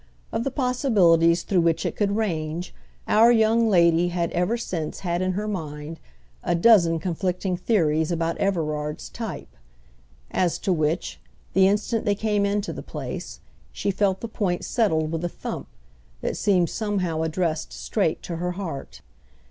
—of the possibilities through which it could range, our young lady had ever since had in her mind a dozen conflicting theories about Everard's type; as to which, the instant they came into the place, she felt the point settled with a thump that seemed somehow addressed straight to her heart.